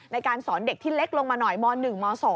ในการสอนเด็กที่เล็กลงมาหน่อยม๑ม๒